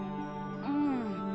うん。